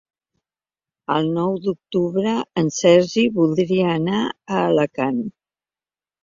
El nou d'octubre en Sergi voldria anar a Alacant.